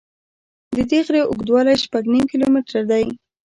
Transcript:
د دې غره اوږدوالی شپږ نیم کیلومتره دی.